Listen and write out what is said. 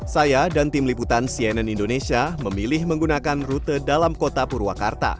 saya dan tim liputan cnn indonesia memilih menggunakan rute dalam kota purwakarta